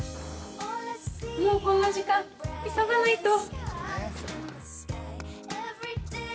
もうこんな時間、急がないと。